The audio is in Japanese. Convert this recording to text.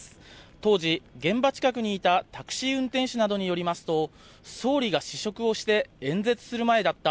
当時、現場近くにいたタクシー運転手などによりますと総理が試食をして演説する前だった。